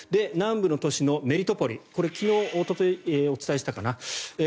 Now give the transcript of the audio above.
南部の都市のメリトポリこれ昨日、おとといお伝えしたかな。